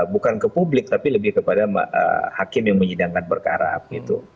bukan ke publik tapi lebih kepada hakim yang menyidangkan perkara gitu